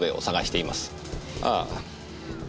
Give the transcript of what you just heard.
ああ。